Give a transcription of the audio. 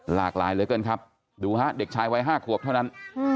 หลากหลายเหลือเกินครับดูฮะเด็กชายวัย๕ขวบเท่านั้น